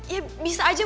ya bisa aja mama adrian